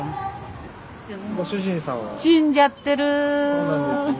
そうなんですね。